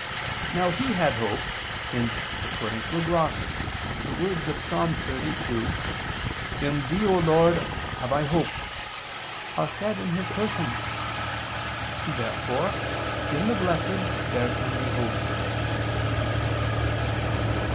Now He had hope, since, according to a gloss, the words of Ps. 30:2, "In Thee, O Lord, have I hoped," are said in His person. Therefore in the blessed there can be hope.